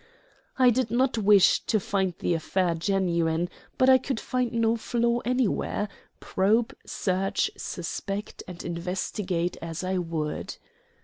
I did not wish to find the affair genuine, but I could find no flaw anywhere, probe, search, suspect, and investigate as I would.